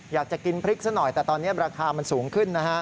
อยากจะกินพริกซะหน่อยแต่ตอนนี้ราคามันสูงขึ้นนะฮะ